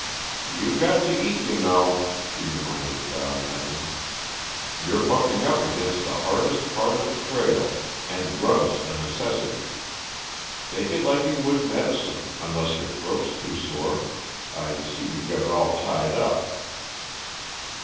"You got to eat, you know," she reminded Val gently. "You're bucking up ag'inst the hardest part of the trail, and grub's a necessity. Take it like you would medicine unless your throat's too sore. I see you got it all tied up."